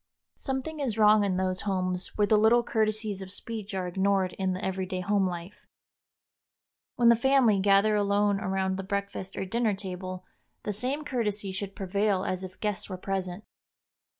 Something is wrong in those homes where the little courtesies of speech are ignored in the everyday home life. When the family gather alone around the breakfast or dinner table the same courtesy should prevail as if guests were present.